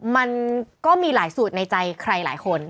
มันก็มีหลายสูตรในใจใครหลายคน